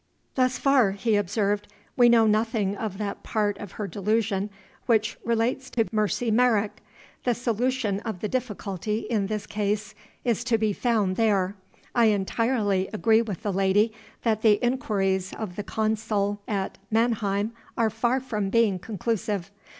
"'Thus far,' he observed, 'we know nothing of that part of her delusion which relates to Mercy Merrick. The solution of the difficulty, in this case, is to be found there. I entirely agree with the lady that the inquiries of the consul at Mannheim are far from being conclusive.